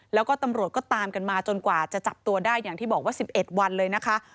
แล้วก็ตำรวจก็ตามกันมาจนกว่าจะจับตัวได้อย่างที่บอกว่า๑๑วันเลยนะคะ